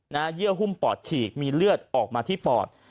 เยื่อหุ้มปอดฉีกมีเลือดออกมาที่ปอด